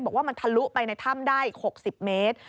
บอกว่ามันทะลุไปในถ้ำได้๖๐เมตร